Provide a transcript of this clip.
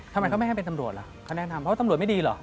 ทำไมเขาไม่ให้เป็นตำรวจล่ะเขาแนะนำเพราะว่าตำรวจไม่ดีเหรอ